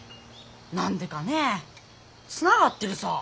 何でかねえつながってるさー！